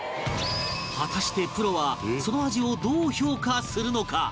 果たしてプロはその味をどう評価するのか？